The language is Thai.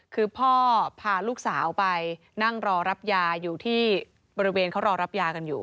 คือพ่อพาลูกสาวไปนั่งรอรับยาอยู่ที่บริเวณเขารอรับยากันอยู่